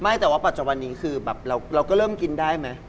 แต่ว่าปัจจุบันนี้คือแบบเราก็เริ่มกินได้ไหม